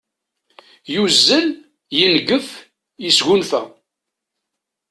Yuzzel, yengef, yesgunfa.